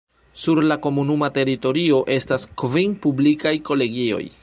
Sur la komunuma teritorio estas kvin publikaj kolegioj.